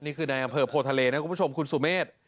นี่คือในอำเภอโพทะเลนะคุณผู้ชมคุณสุเมฆ